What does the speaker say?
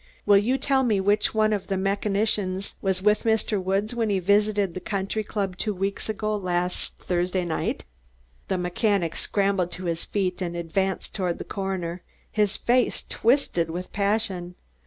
Will you tell me which one of the mechanicians was with Mr. Woods when he visited the country club two weeks ago last Thursday night?" The mechanic scrambled to his feet and advanced toward the coroner, his face twisted with passion.